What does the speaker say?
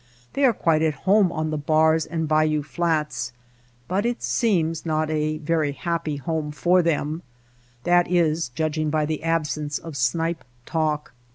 They are quite at home on the bars and bayou flats, but it seems not a very happy home for them — that is judging by the absence of snipe talk.